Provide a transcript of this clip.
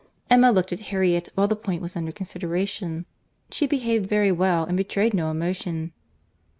—Emma looked at Harriet while the point was under consideration; she behaved very well, and betrayed no emotion.